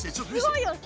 すごいよ。